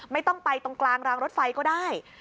ไม่ต้องไปตรงกลางรางรถไฟก็ได้